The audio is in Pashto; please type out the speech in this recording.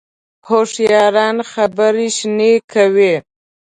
هوښیاران خبرې شنې کوي